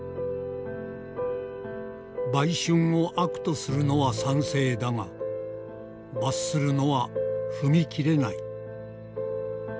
「売春を悪とするのは賛成だが罰するのは踏み切れない」。